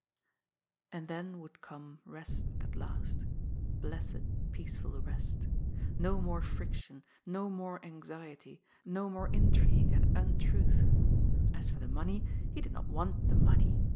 And then would come rest at last. Blessed, peaceful rest. No more friction, no more anxiety, no more intrigue DOOMED. 863 and untruth. As for the money, he did not want the money.